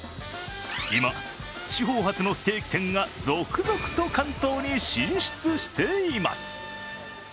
今、地方発のステーキ店が続々と関東に進出しています。